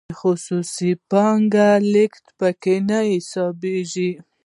د خصوصي پانګې لیږد پکې نه حسابیږي.